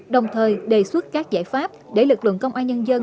đồng thời đề xuất các giải pháp để lực lượng công an nhân dân